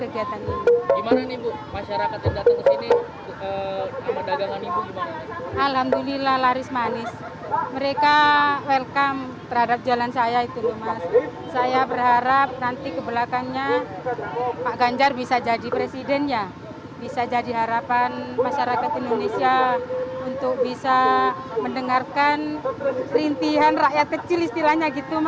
biar sembako sembako diturunkan